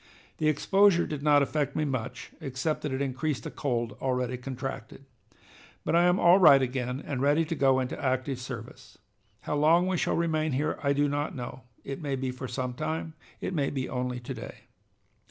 The exposure did not affect me much, except that it increased a cold already contracted. But I am 'all right' again and ready to go into active service. How long we shall remain here I do not know. It may be for some time, it may be only to day."